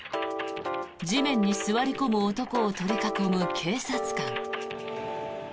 地面に座り込む男を取り囲む警察官。